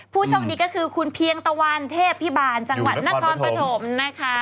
ผู้โชคดีก็คือคุณเพียงตะวันเทพพิบาลจังหวัดนครปฐมนะคะ